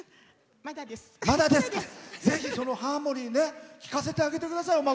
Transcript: ぜひ、そのハーモニーを聴かせてあげてください。